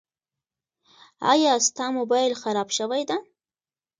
ایا ستا مبایل خراب شوی ده؟